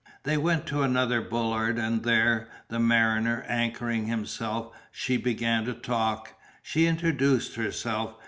They went to another bollard and there, the mariner anchoring himself, she began to talk. She introduced herself.